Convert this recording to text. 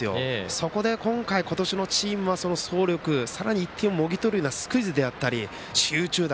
そこで今回、今年のチームは走力、さらに１点をもぎ取るようなスクイズであったり、集中打。